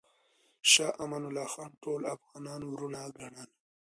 شاه امان الله خان ټول افغانان وروڼه ګڼل.